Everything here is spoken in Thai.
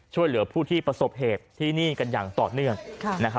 ช่วยเหลือผู้ที่ประสบเหตุที่นี่กันอย่างต่อเนื่อง